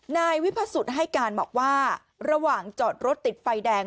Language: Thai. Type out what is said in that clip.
นายวิพสุทธิ์ให้การบอกว่าระหว่างจอดรถติดไฟแดง